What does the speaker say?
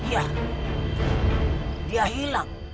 ya dia hilang